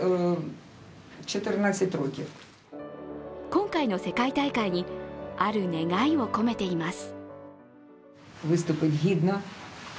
今回の世界大会にある願いを込めています。